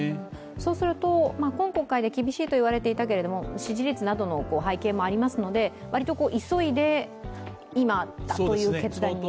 そうすると、今国会では厳しいと言われていたけども、支持率などの背景もありますので、割と急いで今だという決断に？